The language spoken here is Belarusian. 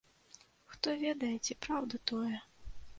Хто ведае, ці праўда тое.